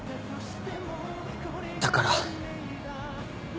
だから。